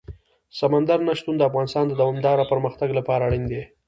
سمندر نه شتون د افغانستان د دوامداره پرمختګ لپاره اړین دي.